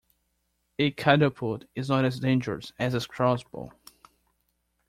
A catapult is not as dangerous as a crossbow